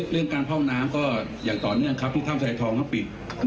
เรื่องการเข้าน้ำก็อย่างต่อเนื่องครับที่ถ้ำทรายทองก็ปิด